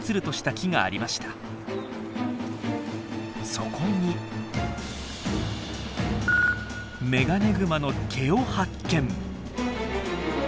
そこにメガネグマの毛を発見。